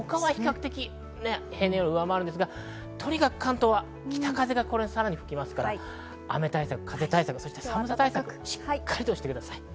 他は比較的平年より上回るんですが、とにかく関東は北風がさらに吹きますから雨対策、風対策、さらに寒さ対策をしっかりしてください。